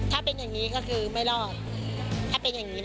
ถ้าเป็นอย่างนี้นะคะ